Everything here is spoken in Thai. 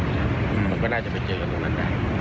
มันก็น่าจะไปเจอกันตรงนั้นได้